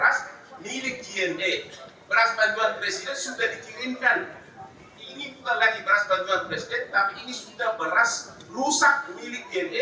tapi ini sudah beras rusak milik jna dan kemudian dikubur